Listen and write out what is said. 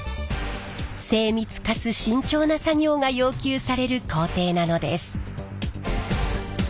精密かつ慎重な作業が要求される工程なのです。